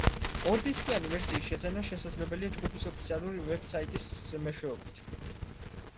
ორდისკიანი ვერსიის შეძენა შესაძლებელია ჯგუფის ოფიციალური საიტის მეშვეობით.